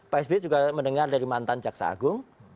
pak sby juga mendengar dari mantan jaksa agung